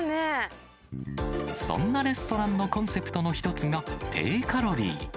そんなレストランのコンセプトの一つが低カロリー。